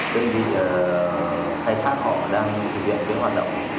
đơn vị khai thác họ đang thực hiện cái hoạt động